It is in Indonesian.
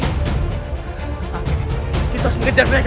kita harus mengejar mereka